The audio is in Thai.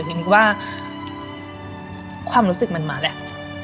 นึกว่าความรู้สึกมันมาแหละ